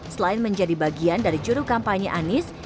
selain menjadi bagian dari juru kampanye anies